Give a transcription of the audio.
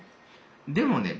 でもね